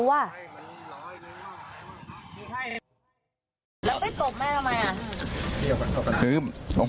แล้วไปตบแม่ทำไมอ่ะ